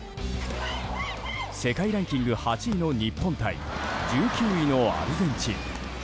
世界ランキング８位の日本対１９位のアルゼンチン。